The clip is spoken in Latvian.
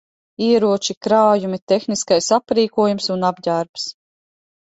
Ieroči, krājumi, tehniskais aprīkojums un apģērbs.